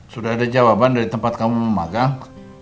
sudah ada jawaban dari tempat kamu memegang